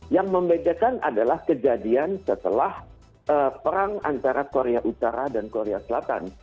yang membedakan adalah kejadian setelah perang antara korea utara dan korea selatan